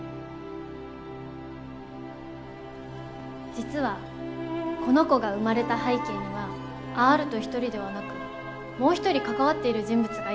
実はこの子が生まれた背景にはアアルト一人ではなくもう一人関わっている人物がいるんです。